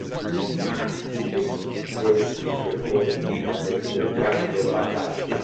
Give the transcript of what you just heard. Ceux qui vivaient dans ces terres y ont laissé des traces de leur passage.